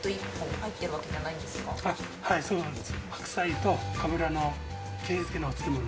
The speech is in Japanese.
はいそうなんです。